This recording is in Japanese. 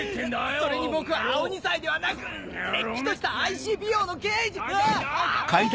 それに僕は青二才ではなくれっきとしたＩＣＰＯの刑事。